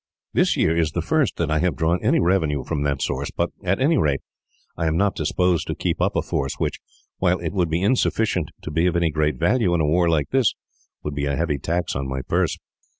This year is the first that I have drawn any revenue from that source; but, at any rate, I am not disposed to keep up a force which, while it would be insufficient to be of any great value in a war like this, would be a heavy tax on my purse."